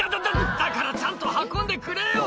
だからちゃんと運んでくれよ！」